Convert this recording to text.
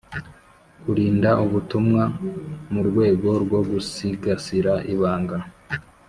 kurinda ubutumwa mu rwego rwo gusigasira ibanga.